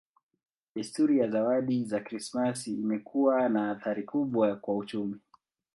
Desturi ya zawadi za Krismasi imekuwa na athari kubwa kwa uchumi.